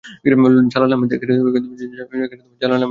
Jalal Ahmed